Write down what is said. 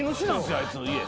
あいつの家。